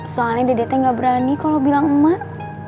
soalnya dede teh nggak berani kalau bilang emas